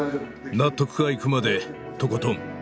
納得がいくまでとことん。